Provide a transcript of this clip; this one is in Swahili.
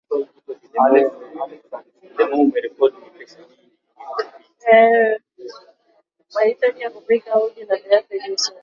mahitaji ya kupika uji wa viazi lishe